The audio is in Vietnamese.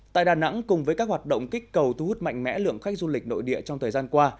tại đà nẵng cùng với các hoạt động kích cầu thu hút mạnh mẽ lượng khách du lịch nội địa trong thời gian qua